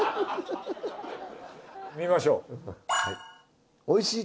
見ましょう。